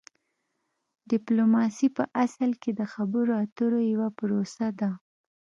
ډیپلوماسي په اصل کې د خبرو اترو یوه پروسه ده